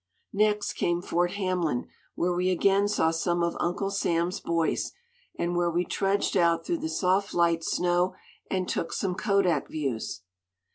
Next came Fort Hamlin, where we again saw some of Uncle Sam's boys, and where we trudged out through the soft light snow and took some kodak views.